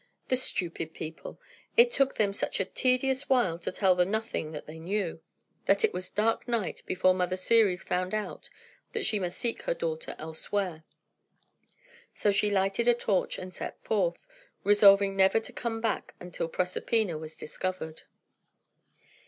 The stupid people! It took them such a tedious while to tell the nothing that they knew, that it was dark night before Mother Ceres found out that she must seek her daughter elsewhere. So she lighted a torch, and set forth, resolving never to come back until Proserpina was discovered.